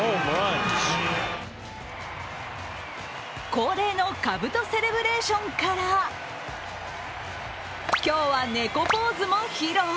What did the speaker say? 恒例のかぶとセレブレーションから今日は猫ポーズも披露。